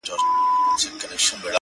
په يويشتم قرن کي داسې محبت کومه _